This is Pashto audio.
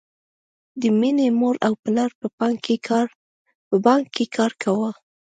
د مینې مور او پلار په بانک کې کار کاوه